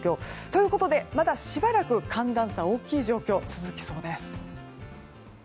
ということで、まだしばらく寒暖差大きい状況が続きそうです。